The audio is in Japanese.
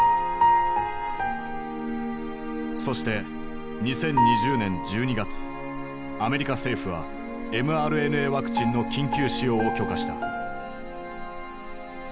そしてアメリカ政府はｍＲＮＡワクチンの緊急使用を許可した。